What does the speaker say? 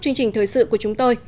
chương trình thời sự của chúng tôi